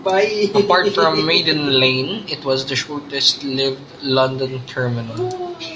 Apart from Maiden Lane, it was the shortest lived London terminal.